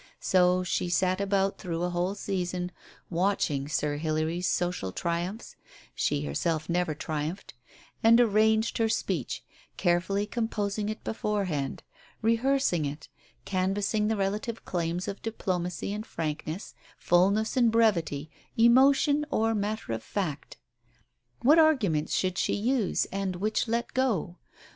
So, she sat about through a whole season, watching Sir Hilary's social triumphs — she herself never triumphed — and arranged her speech, carefully com posing it beforehand, rehearsing it, canvassing the relative claims of diplomacy and frankness, fulness and brevity, emotion or matter of fact. What arguments should she use, and which let go?